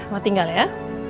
mau tinggal ya